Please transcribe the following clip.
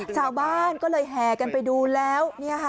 ชาวบ้านก็เลยแห่กันไปดูแล้ว